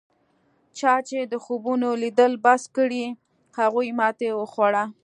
چا چې د خوبونو لیدل بس کړل هغوی ماتې وخوړه.